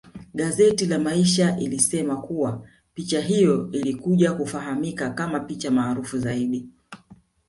Gazeti la maisha ilisema kuwa picha hiyo ilikuja kufahamika kama picha maarufu zaidi